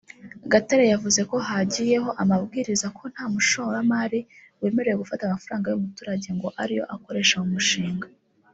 Gatare yavuze ko hagiyeho amabwiriza ko nta mushoramari wemerewe gufata amafaranga y’umuturage ngo ariyo akoresha mu mushinga